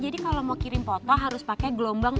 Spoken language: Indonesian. jadi kalo mau kirim foto harus pake gelombang